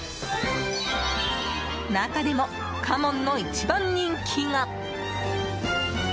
中でも、花門の一番人気が。